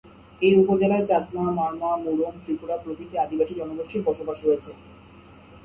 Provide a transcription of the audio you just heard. এ উপজেলায় চাকমা, মারমা, মুরং, ত্রিপুরা প্রভৃতি আদিবাসী জনগোষ্ঠীর বসবাস রয়েছে।